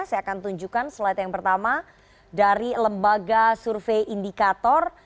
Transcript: saya akan tunjukkan slide yang pertama dari lembaga survei indikator